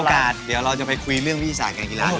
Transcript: อย่ามีโอกาสเดี๋ยวเราจะไปคุยเรื่องวิทยาศาสตร์การกีฬาด้วย